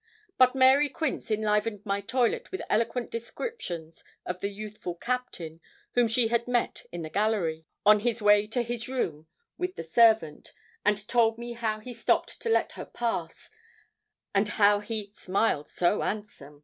But Mary Quince enlivened my toilet with eloquent descriptions of the youthful Captain whom she had met in the gallery, on his way to his room, with the servant, and told me how he stopped to let her pass, and how 'he smiled so 'ansom.'